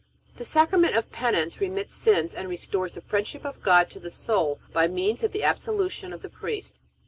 The Sacrament of Penance remits sins and restores the friendship of God to the soul by means of the absolution of the priest.